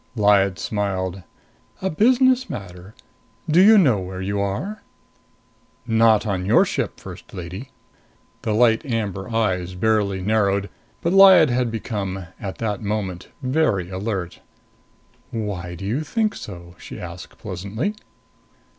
Lyad smiled. "A business matter. Do you know where you are?" "Not on your ship, First Lady." The light amber eyes barely narrowed. But Lyad had become, at that moment, very alert. "Why do you think so?" she asked pleasantly.